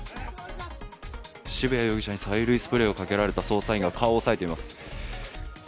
渋谷容疑者に催涙スプレーをかけられた捜査員が顔を押さえています。